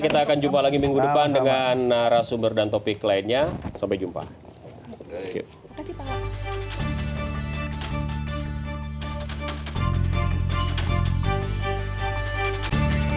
terima kasih bapak bapak ibu